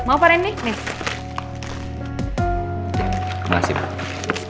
mau pak randy nih